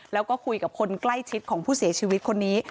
แล้วก็คุยกับคนใกล้ชิดของผู้เสียชีวิตคนนี้